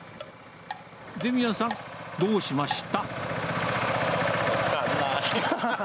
デミアンさん、どうしました？